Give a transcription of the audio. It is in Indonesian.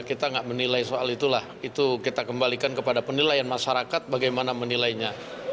kita tidak menilai soal itulah itu kita kembalikan kepada penilaian masyarakat bagaimana menilainya